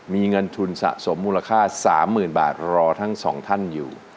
มีเงินทุนสะสมมูลค่า๓๐๐๐บาทรอทั้งสองท่านอยู่